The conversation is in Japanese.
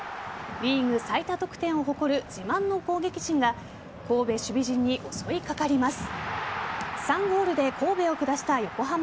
リーグ最多得点を誇る自慢の攻撃陣が神戸守備陣に襲いかかります。